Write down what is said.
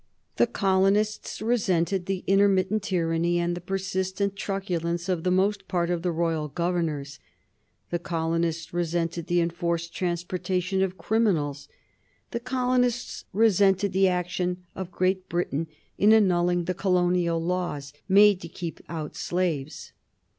The colonists resented the intermittent tyranny and the persistent truculence of the most part of the royal governors. The colonists resented the enforced transportation of criminals. The colonists resented the action of Great Britain in annulling the colonial laws made to keep out slaves.